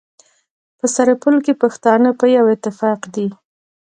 په سرپل کي پښتانه په يوه اتفاق دي.